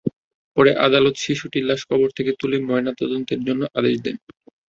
পরে আদালত শিশুটির লাশ কবর থেকে তুলে ময়নাতদন্তের জন্য আদেশ দেন।